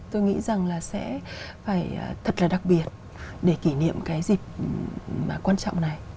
tôi nghĩ rằng là sẽ phải thật là đặc biệt để kỷ niệm cái dịp quan trọng này